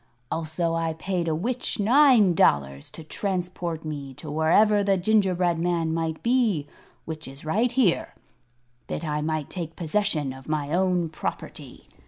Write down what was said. Also I paid a witch nine dollars to transport me to wherever the gingerbread man might be which is right here that I might take possession of my own property.